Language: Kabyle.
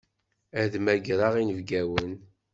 Ad mmagreɣ inebgawen.